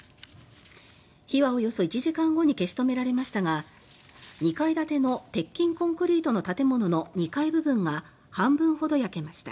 火はおよそ１時間後に消し止められましたが２階建ての鉄筋コンクリートの建物の２階部分が半分ほど焼けました。